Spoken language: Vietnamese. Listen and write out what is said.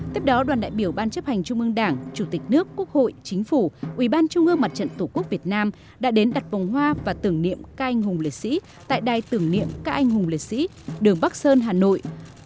tiếp đó đoàn đại biểu ban chấp hành trung ương đảng chủ tịch nước quốc hội chính phủ ubnd tổ quốc việt nam đã đến đặt vòng hoa và tưởng niệm các anh hùng liệt sĩ tại đài tưởng niệm các anh hùng liệt sĩ đường bắc sơn hà nội